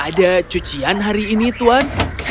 ada cucian hari ini tuan